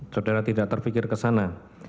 saudara tidak terpikir ke sana